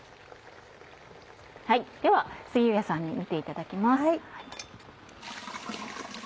では杉上さんに見ていただきます。